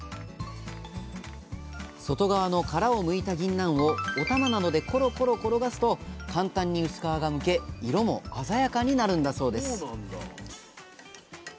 外側の殻をむいたぎんなんをおたまなどでコロコロ転がすと簡単に薄皮がむけ色も鮮やかになるんだそうです